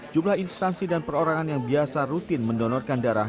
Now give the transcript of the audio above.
jumlah instansi dan perorangan yang biasa rutin mendonorkan darah